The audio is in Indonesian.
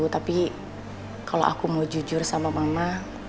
tapi kalau aku mau jujur sama mama